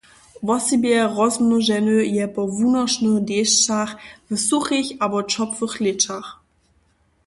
Wosebje rozmnoženy je po wunošnych dešćach w suchich abo ćopłych lěćach.